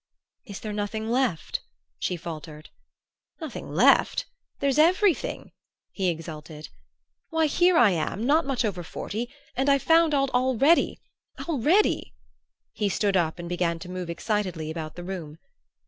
"Is there nothing left?" she faltered. "Nothing left? There's everything!" he exulted. "Why, here I am, not much over forty, and I've found out already already!" He stood up and began to move excitedly about the room.